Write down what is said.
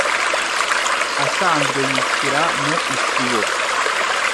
Asanzwe yicira mu isibo